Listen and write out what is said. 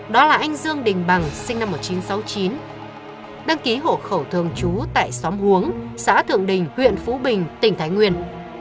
đó là anh dương đình bằng sinh năm một nghìn chín trăm sáu mươi chín đăng ký hộ khẩu thường trú tại xóm uống xã thượng đình huyện phú bình tỉnh thái nguyên